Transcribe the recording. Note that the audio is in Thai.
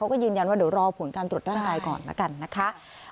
ก็ยืนยันว่าเดี๋ยวรอผลการตรวจร่างกายก่อนแล้วกันนะคะ